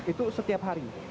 itu setiap hari